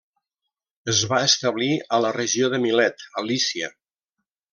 Es va establir a la regió de Milet, a Lícia.